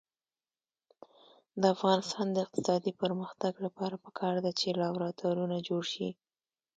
د افغانستان د اقتصادي پرمختګ لپاره پکار ده چې لابراتوارونه جوړ شي.